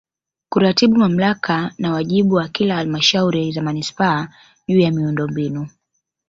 Kuratibu Mamlaka na wajibu wa kila Halmashauri za Manispaa juu ya miundombinu